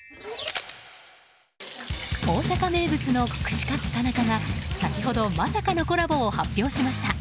大阪名物の串カツ田中が先ほど、まさかのコラボを発表しました。